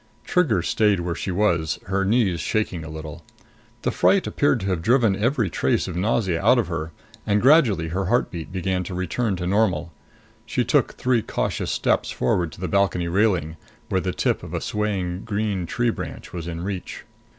Trigger stayed where she was, her knees shaking a little. The fright appeared to have driven every trace of nausea out of her, and gradually her heartbeat began to return to normal. She took three cautious steps forward to the balcony railing, where the tip of a swaying green tree branch was in reach.